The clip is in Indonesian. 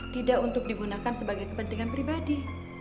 tidak untuk digunakan sebagai kepentingan pribadi